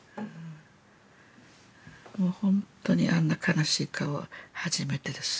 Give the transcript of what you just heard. もう本当にあんな悲しい顔は初めてです。